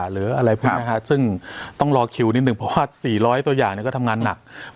หรืออะไรพวกนี้ซึ่งต้องรอคิวนิดนึงเพราะว่า๔๐๐ตัวอย่างก็ทำงานหนัก